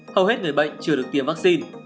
hầu hết người bệnh chưa được tiêm vaccine